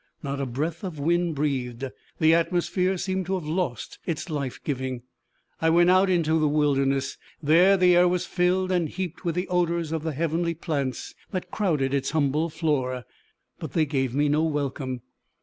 Not a breath of wind breathed; the atmosphere seemed to have lost its life giving. I went out into the wilderness. There the air was filled and heaped with the odours of the heavenly plants that crowded its humble floor, but they gave me no welcome.